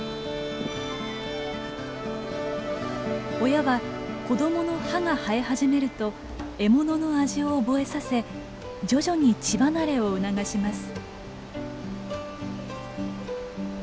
親は子どもの歯が生え始めると獲物の味を覚えさせ徐々に乳離れを促します。